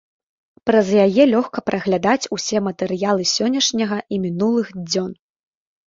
Праз яе лёгка праглядаць усе матэрыялы сённяшняга і мінулых дзён.